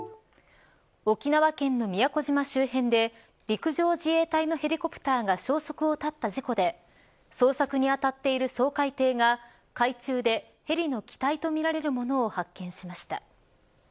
沖縄県の宮古島周辺で陸上自衛隊のヘリコプターが消息を絶った事故で捜索に当たっている掃海艇が海中でヘリの機体とみられるものを発見しました。